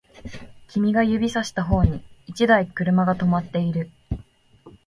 君が指差した方に一台車が止まっている